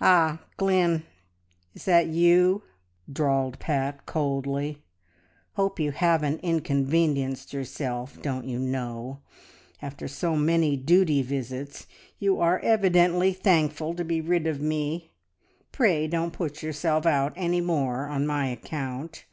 "Ah, Glynn, is that you?" drawled Pat coldly. "Hope you haven't inconvenienced yourself, don't you know. After so many duty visits you are evidently thankful to be rid of me. Pray don't put yourself out any more on my account."